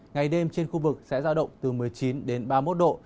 ngày đêm trên khu vực sẽ giao động từ một mươi chín đến ba mươi một độ